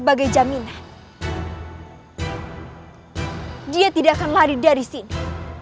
prajurit bawa orang itu